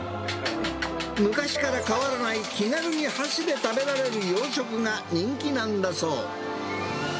昔から変わらない気軽に箸で食べられる洋食が人気なんだそう。